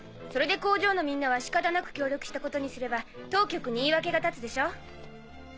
それで工場のみんなは仕方なく協力したことにすれば当局に言い訳がたつでしょう？